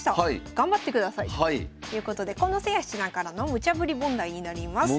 頑張ってください」ということで近藤誠也七段からのムチャぶり問題になります。